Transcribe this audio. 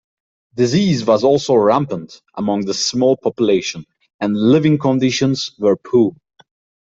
Disease was also rampant among the small population, and living conditions were poor.